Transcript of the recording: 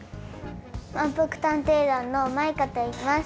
まんぷく探偵団のマイカといいます。